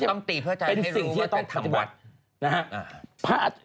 ต้องตีเพื่อใจให้รู้ว่าต้องทำวัด